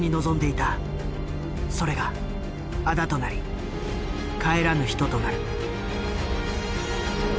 それがあだとなり帰らぬ人となる。